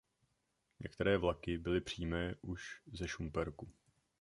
Některé vlaky byly přímé už ze Šumperku.